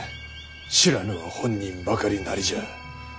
知らぬは本人ばかりなりじゃ。